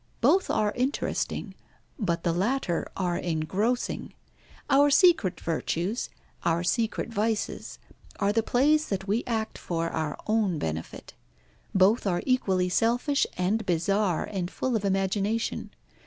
Both are interesting, but the latter are engrossing. Our secret virtues, our secret vices, are the plays that we act for our own benefit. Both are equally selfish, and bizarre, and full of imagination.